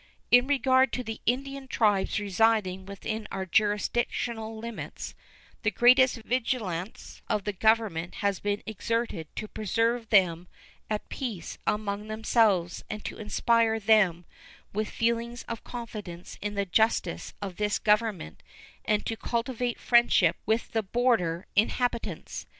In regard to the Indian tribes residing within our jurisdictional limits, the greatest vigilance of the Government has been exerted to preserve them at peace among themselves and to inspire them with feelings of confidence in the justice of this Government and to cultivate friendship with the border inhabitants.